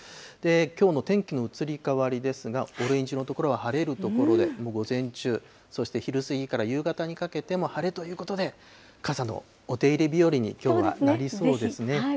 きょうの天気の移り変わりですが、オレンジの所は晴れる所で、もう午前中、そして昼過ぎから夕方にかけても晴れということで、傘のお手入れ日和にきょうはなりそうですね。